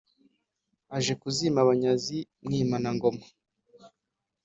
aje kuzima abanyazi mwimana-ngoma